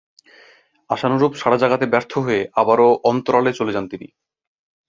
আশানুরূপ সাড়া জাগাতে ব্যর্থ হয়ে আবারও অন্তরালে চলে যান তিনি।